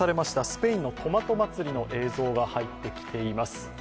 スペインのトマト祭りの映像が入ってきています。